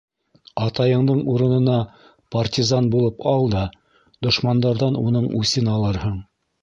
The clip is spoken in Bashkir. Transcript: Атайыңдың урынына партизан булып ал да дошмандарҙан уның үсен алырһың.